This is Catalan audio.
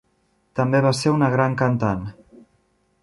També va ser una gran cantant.